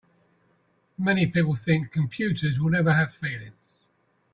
Many people think computers will never have feelings.